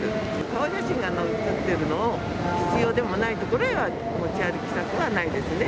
顔写真が写ってるのを、必要でもないところへは持ち歩きたくはないですね。